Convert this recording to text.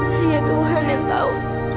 hanya tuhan yang tahu